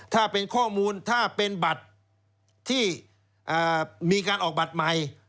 ถ้าเป็นข้อมูลถ้าเป็นบัตรที่มีการออกบัตรใหม่